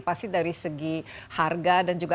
pasti dari segi harga dan juga